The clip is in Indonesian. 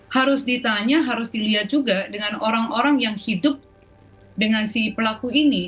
harus ditanya harus dilihat juga dengan orang orang yang hidup dengan si pelaku ini